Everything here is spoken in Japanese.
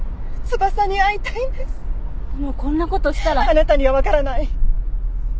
あなたにはわからない！